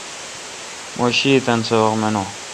مہ شی تان سبق منون۔